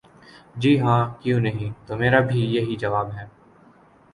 ''جی ہاں، کیوں نہیں‘‘ ''تو میرا بھی یہی جواب ہے۔